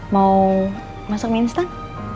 mau masak minstan